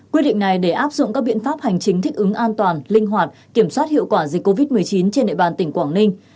quyết định này để áp dụng các biện pháp hành chính thích ứng an toàn linh hoạt kiểm soát hiệu quả dịch covid một mươi chín trên địa bàn tỉnh quảng ninh